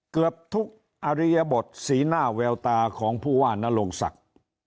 เกือบทุกอริยบทสีหน้าแววตาของผู้ว่านโรงศักดิ์